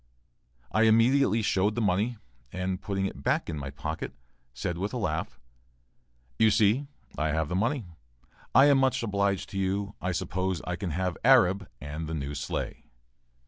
I immediately showed the money, and, putting it back in my pocket, said with a laugh: "you see I have the money. I am much obliged to you; I suppose I can have 'Arab' and the new sleigh?"